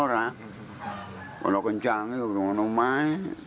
orang orang yang ada di tempatnya belum ada